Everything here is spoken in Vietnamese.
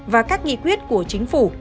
và các nghị quyết của chính phủ